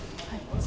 はい。